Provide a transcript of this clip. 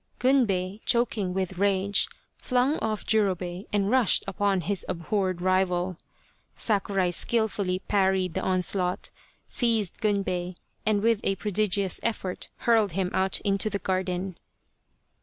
Gunbei, choking with rage, flung off Jurobei and rushed upon his abhorred rival. Sakurai skilfully parried the onslaught, seized Gunbei, and with a prodigious effort hurled him out into the garden.